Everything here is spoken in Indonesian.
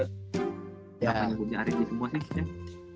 kenapa punya ari gi semua sih